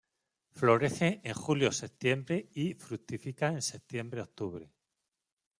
Florece en julio-septiembre y fructifica en septiembre-octubre.